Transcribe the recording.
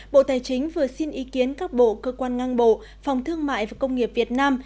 bộ tài chính vừa xin ý kiến các bộ cơ quan ngang bộ phòng thương mại và công nghiệp việt nam